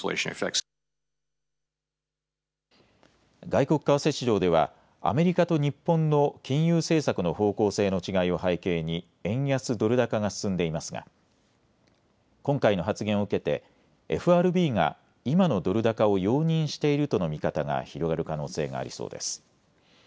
外国為替市場ではアメリカと日本の金融政策の方向性の違いを背景に円安ドル高が進んでいますが今回の発言を受けてＦＲＢが今のドル高を容認しているとの見方が広がる可能性がありそうです。